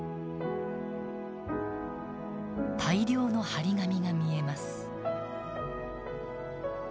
大量の貼り紙が見えます。